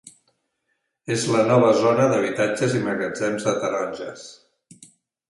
És la nova zona d'habitatges i magatzems de taronges.